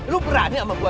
lu berani sama gue